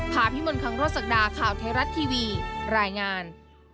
พิมลคังโรศักดาข่าวไทยรัฐทีวีรายงาน